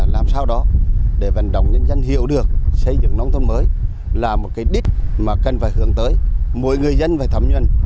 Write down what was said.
làm sao đó để vận động nhân dân hiểu được xây dựng nông thôn mới là một cái đích mà cần phải hướng tới mỗi người dân phải thấm nhuận